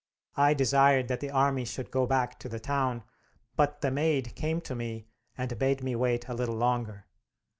I desired that the army should go back to the town, but the Maid came to me and bade me wait a little longer.